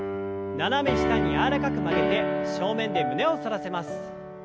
斜め下に柔らかく曲げて正面で胸を反らせます。